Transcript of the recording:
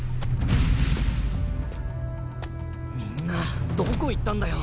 みんなどこ行ったんだよ。